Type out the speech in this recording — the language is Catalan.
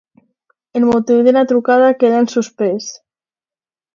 El motiu de la trucada queda en suspens.